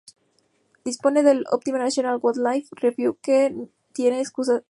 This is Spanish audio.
Dispone del "Optima National Wildlife Refuge" que tiene extensas praderas.